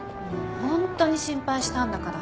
ホントに心配したんだから。